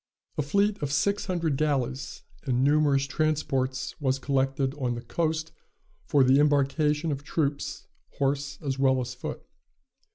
A fleet of six hundred galleys and numerous transports was collected on the coast for the embarkation of troops, horse as well as foot.